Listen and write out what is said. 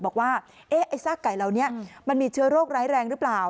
บอกว่าซากไก่เหล่านี้มีเชื้อโรคร้ายแรงรึเปล่า